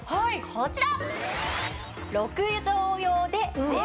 こちら！